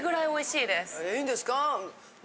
いいんですか？